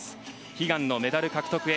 悲願のメダル獲得へ。